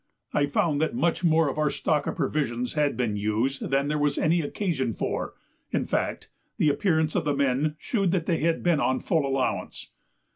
I found that much more of our stock of provisions had been used than there was any occasion for in fact, the appearance of the men shewed that they had been on full allowance.